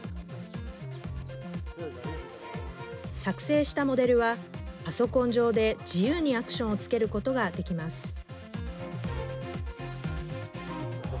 作成したモデルはパソコン上で自由にアクションをつけることができます。